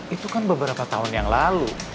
itu kan beberapa tahun yang lalu